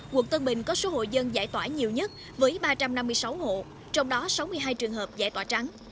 quận tân bình có số hộ dân giải tỏa nhiều nhất với ba trăm năm mươi sáu hộ trong đó sáu mươi hai trường hợp giải tỏa trắng